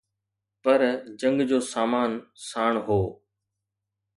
پر جنگ جو سامان ساڻ هو.